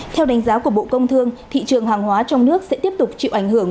theo đánh giá của bộ công thương thị trường hàng hóa trong nước sẽ tiếp tục chịu ảnh hưởng